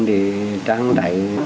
để trang đẩy